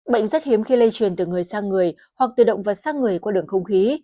bệnh rất hiếm khi lây truyền từ người sang người hoặc từ động vật sang người qua đường không khí